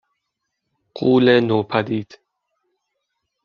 غولِ نوپدید